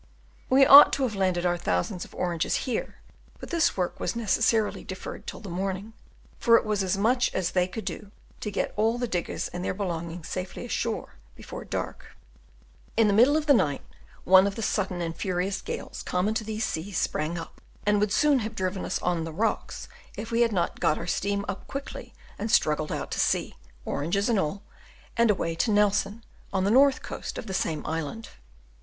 We ought to have landed our thousands of oranges here, but this work was necessarily deferred till the morning, for it was as much as they could do to get all the diggers and their belongings safely ashore before dark; in the middle of the night one of the sudden and furious gales common to these seas sprang up, and would soon have driven us on the rocks if we had not got our steam up quickly and struggled out to sea, oranges and all, and away to Nelson, on the north coast of the same island.